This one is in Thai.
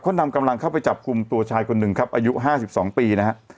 เขานำกำลังเข้าไปจับกลุ่มตัวชายคนหนึ่งครับอายุ๕๒ปีนะฮะ